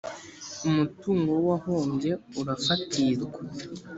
umutungo w’uwahombye urafatirwa.